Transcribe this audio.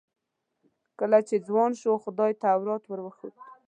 کله چې ځوان شو خدای تورات ور وښود.